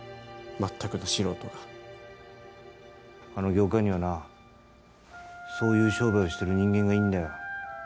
全くの素人があの業界にはなそういう商売をしてる人間がいるんだよ